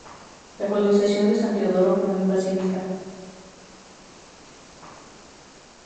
La colonización de San Teodoro fue muy pacífica.